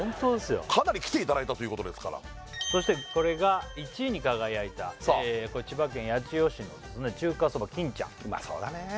かなり来ていただいたということですからそしてこれが１位に輝いた千葉県八千代市の中華そば金ちゃんうまそうだねえ